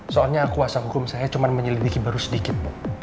soalnya kuasa hukum saya cuma menyelidiki baru sedikit